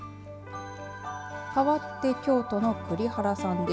かわって京都の栗原さんです。